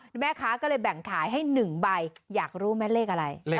แล้วแม่ค้าก็แบ่งขายให้หนึ่งใบอยากรู้แม่เลขอะไร